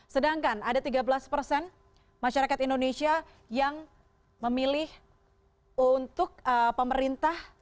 sedangkan ada tiga belas persen masyarakat indonesia yang memilih untuk pemerintah